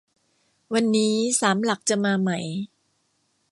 วันนี้ สามหลักจะมาไหม